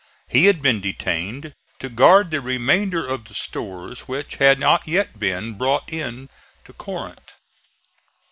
He had been detained to guard the remainder of the stores which had not yet been brought in to Corinth.